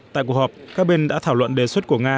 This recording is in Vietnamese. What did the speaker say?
tại cuộc họp các bên đã thảo luận đề xuất của nga